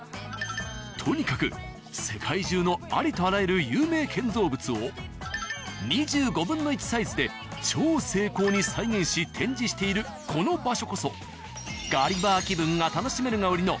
とにかく世界中のありとあらゆる有名建造物を２５分の１サイズで超精巧に再現し展示しているこの場所こそ「ガリバー気分が楽しめる！」が売りの。